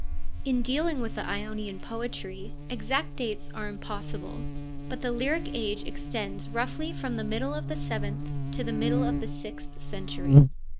In dealing with the Ionian poetry, exact dates are impossible, but the lyric age extends roughly from the middle of the seventh to the middle of the sixth century.